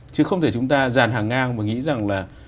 chứ không thể chúng ta dàn hàng ngang và nghĩ rằng là